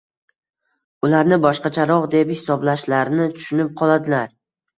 ularni boshqacharoq deb hisoblashlarini tushunib qoladilar.